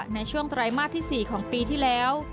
ในช่วงไตรมาสที่๔ของปีที่แล้ว